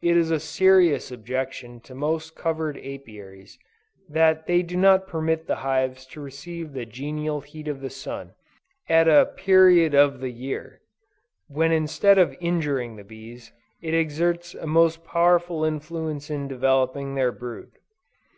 It is a serious objection to most covered Apiaries, that they do not permit the hives to receive the genial heat of the sun at a period of the year when instead of injuring the bees, it exerts a most powerful influence in developing their brood.